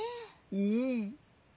うん。